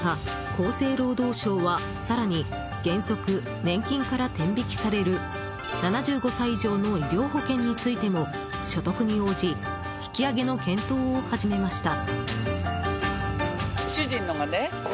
厚生労働省は更に原則、年金から天引きされる７５歳以上の医療保険についても所得に応じ引き上げの検討を始めました。